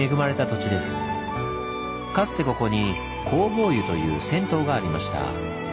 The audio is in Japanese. かつてここに「弘法湯」という銭湯がありました。